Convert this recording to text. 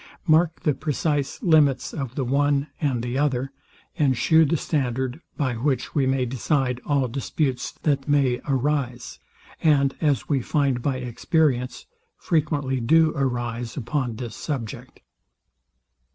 Mark the precise limits of the one and the other, and shew the standard, by which we may decide all disputes that may arise, and, as we find by experience, frequently do arise upon this subject.